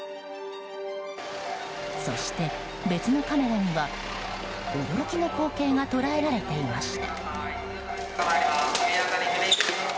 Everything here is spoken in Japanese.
そして、別のカメラには驚きの光景が捉えられていました。